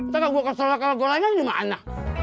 takut gue kesel lah kalau gorengan gimana